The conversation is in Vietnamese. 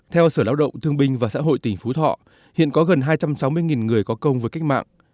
theo sở lao động thương binh và xã hội tỉnh phú thọ hiện có gần hai trăm sáu mươi người có công với cách mạng